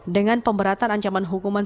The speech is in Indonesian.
dengan pemberatan ancaman hukuman